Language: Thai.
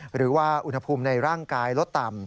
หรือว่าอุณหภูมิในร่างกายลดต่ำ